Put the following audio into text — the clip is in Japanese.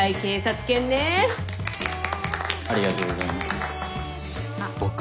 ありがとうございます。